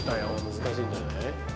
難しいんじゃない？